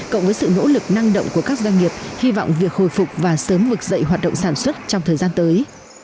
cộng với sự nỗ lực năng động của các doanh nghiệp hy vọng việc hồi phục và sớm vực dậy hoạt động sản xuất trong thời gian tới